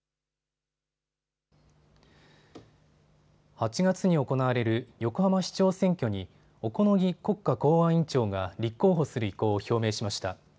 ８月に行われる横浜市長選挙に小此木国家公安委員長が立候補する意向を表明しました。